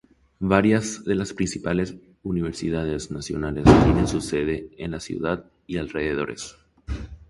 Varias de las principales universidades nacionales tienen su sede en la ciudad y alrededores.